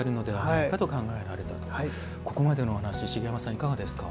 ここまでのお話茂山さん、いかがですか？